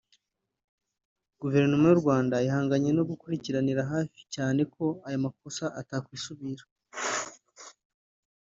Guverinoma y’u Rwanda ihanganye no gukurikiranira hafi cyane ko ayo makosa atakwisubira